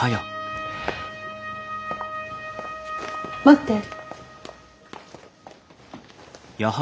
待って。